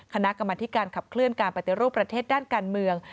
คณะกรรมธิการขับเคลื่อนการปฏิรูปประเทศด้านการเมือง